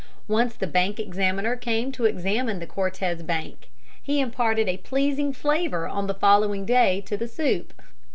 Once the bank examiner came to examine the Cortez bank. He imparted a pleasing flavor on the following day to the soup.